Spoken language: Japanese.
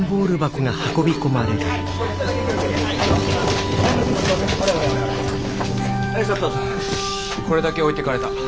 これだけ置いていかれた。